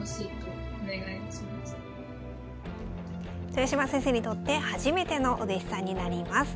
豊島先生にとって初めてのお弟子さんになります。